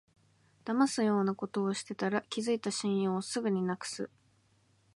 だますようなことしてたら、築いた信用をすぐになくす